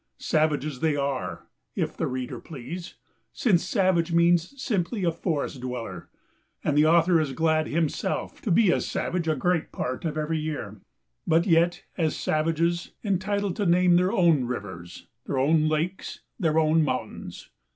Savages they are, if the reader please, since "savage" means simply a forest dweller, and the author is glad himself to be a savage a great part of every year, but yet, as savages, entitled to name their own rivers, their own lakes, their own mountains.